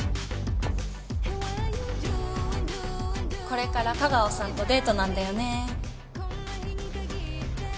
これから香川さんとデートなんだよね。